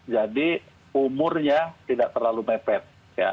jadi umurnya tidak terlalu mepet